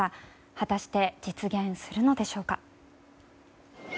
果たして実現するのでしょうか。